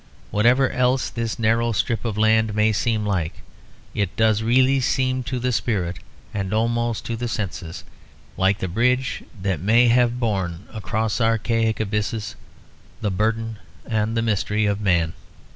Whatever else this narrow strip of land may seem like, it does really seem, to the spirit and almost to the senses, like the bridge that may have borne across archaic abysses the burden and the mystery of man.